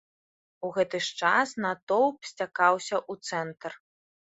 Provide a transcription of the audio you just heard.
У гэты ж час натоўп сцякаўся ў цэнтр.